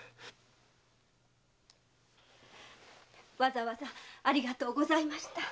わざわざありがとうございました。